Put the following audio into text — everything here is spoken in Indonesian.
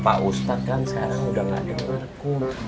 pak ustadz kan sekarang sudah gak dengar kom